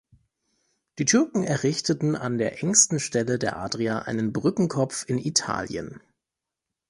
Die Türken errichteten an der engsten Stelle der Adria einen Brückenkopf in Italien.